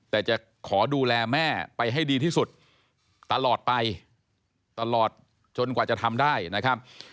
แต่จะขอดูแลแม่ไปให้ดีที่สุดตลอดไปตลอดจนกว่าจะทำได้นะครับ